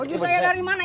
baju saya dari mana